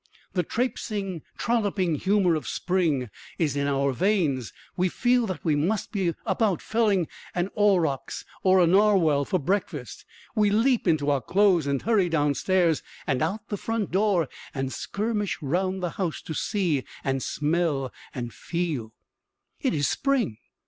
The traipsing, trolloping humor of spring is in our veins; we feel that we must be about felling an aurochs or a narwhal for breakfast. We leap into our clothes and hurry downstairs and out of the front door and skirmish round the house to see and smell and feel. It is spring.